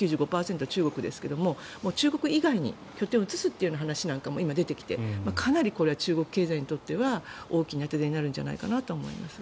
中国ですが中国以外に拠点を移すという話なんかも今、出てきてかなりこれは中国経済にとっては大きな痛手になるんじゃないかなと思います。